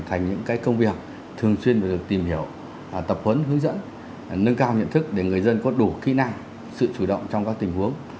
thành những công việc thường xuyên phải được tìm hiểu tập huấn hướng dẫn nâng cao nhận thức để người dân có đủ kỹ năng sự chủ động trong các tình huống